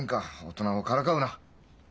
大人をからかうな。